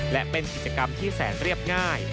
และเป็นกิจกรรมที่แสนเรียบง่าย